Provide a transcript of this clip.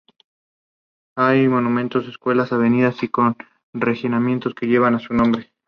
De la rigidez del cárter superior, depende la eficacia del motor.